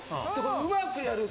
うまくやると。